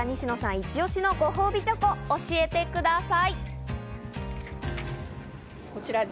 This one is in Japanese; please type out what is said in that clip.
イチオシのご褒美チョコ、教えてください。